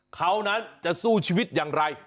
เขานั้นจะสู้ชีวิตอย่างไร